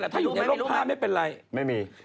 ถ้าอยู่ในโรคภาพไม่เป็นไร